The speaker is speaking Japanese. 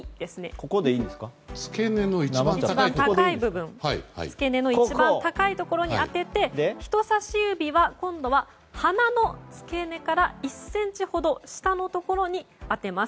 耳の付け根の一番高い部分に当て人さし指は今度は鼻の付け根から１ｃｍほど下のところに当てます。